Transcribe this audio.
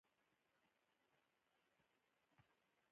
مونتیسکیو د ملتونو د بېوزلۍ په اړه فرضیه راپورته کړه.